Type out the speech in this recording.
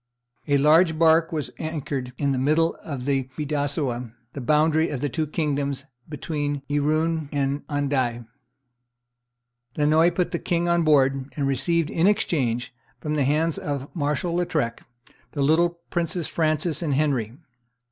A large bark was anchored in the middle of the Bidassoa, the boundary of the two kingdoms, between Irun and Andaye. Lannoy put the king on board, and received in exchange, from the hands of Marshal Lautrec, the little princes Francis and Henry.